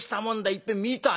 いっぺん見たよ。